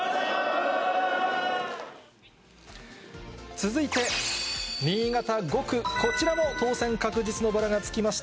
続いて、新潟５区、こちらも当選確実のバラがつきました。